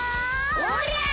おりゃあ！